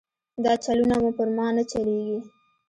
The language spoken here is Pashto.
دا چلونه مو پر ما نه چلېږي.